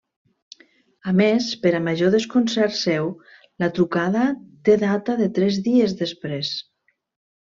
A més, per a major desconcert seu, la trucada té data de tres dies després.